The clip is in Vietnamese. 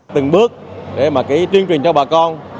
từng bước để mà chuyên truyền cho bà con